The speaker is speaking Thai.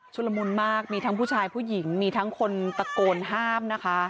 ละมุนมากมีทั้งผู้ชายผู้หญิงมีทั้งคนตะโกนห้ามนะคะ